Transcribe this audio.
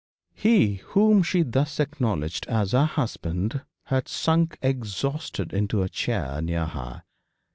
He, whom she thus acknowledged as her husband, had sunk exhausted into a chair near her.